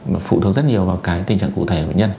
phụ thuộc rất nhiều vào tình trạng cụ thể của bệnh nhân